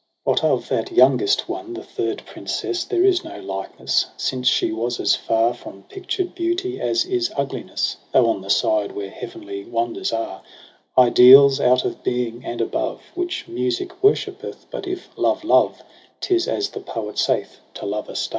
But of that youngest one, the third princess. There is no likeness j since she was as far From pictured beauty as is ugliness. Though on the side where heavenly wonders are, Ideals out of being and above. Which music worshipeth, but if love love, 'Tis, as the poet saith, to love a star.